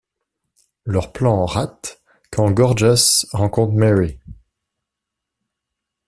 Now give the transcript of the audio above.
Leur plan rate quand Gorgas rencontre Mary.